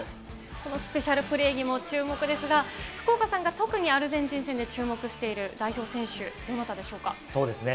このスペシャルプレーにも注目ですが、福岡さんが特にアルゼンチン戦で注目している代表選手、どなたでそうですね。